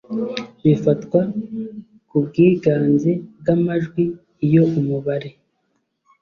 bifatwa ku bwiganze bw amajwi iyo umubare